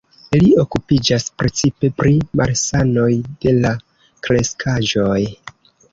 Li okupiĝas precipe pri malsanoj de la kreskaĵoj.